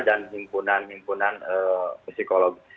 dan impunan impunan psikologi